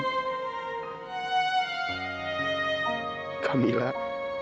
semoga kamu baik baik aja